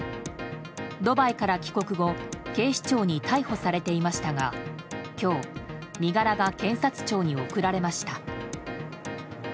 ドバイから帰国後警視庁に逮捕されていましたが今日、身柄が検察庁に送られました。